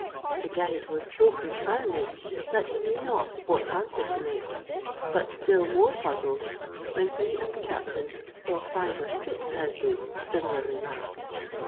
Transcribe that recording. The guide was so confounded, that he knew not what answer to make; but still more puzzled, when he and the captain saw five or six houses similarly marked.